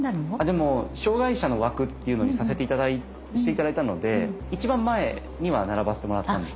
でも障害者の枠っていうのにして頂いたので一番前には並ばせてもらったんです。